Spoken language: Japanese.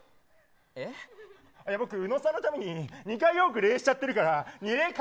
宇野さんのために２回多く礼しちゃってるから。